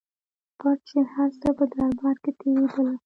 پټ چي هر څه په دربار کي تېرېدله